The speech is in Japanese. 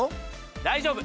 大丈夫！